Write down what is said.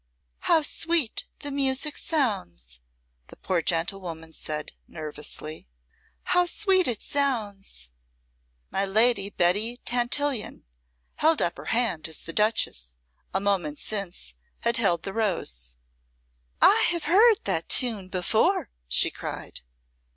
"How sweet the music sounds," the poor gentlewoman said, nervously. "How sweet it sounds." My Lady Betty Tantillion held up her hand as the Duchess, a moment since, had held the rose. "I have heard that tune before," she cried.